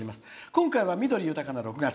今回は緑豊かな６月。